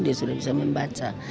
dia sudah bisa membaca